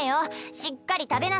しっかり食べなさい。